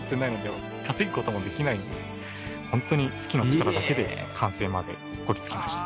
ホントに好きの力だけで完成までこぎ着けました。